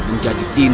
dan menjaga kekuatan